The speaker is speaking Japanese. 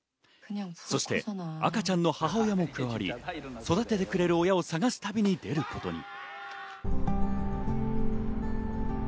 そして赤ちゃんの母親も加わり、育ててくれる親を探す旅に出ることに。